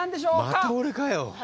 また俺かよ。